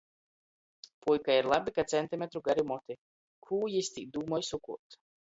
Puikai ir labi ka centimetru gari moti. Kū jis tī dūmoj sukuot?